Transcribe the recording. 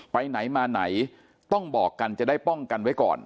ไปไหนมาไหนต้องบอกกันจะได้ป้องกันไว้ก่อน